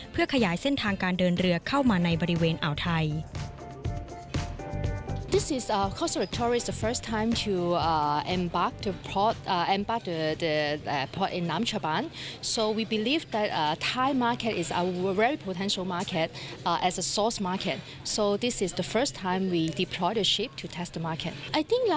เพื่อขยายเส้นทางการเดินเรือเข้ามาในบริเวณอ่าวไทย